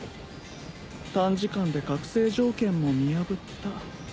短時間で覚醒条件も見破った